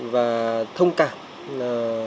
và thông cảm